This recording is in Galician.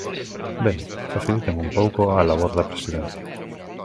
Ben, faciliten un pouco o labor da Presidencia.